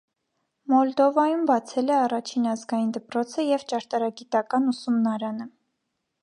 Մոլդովայում բացել է առաջին ազգային դպրոցը և ճարտարագիտական ուսումնարանը։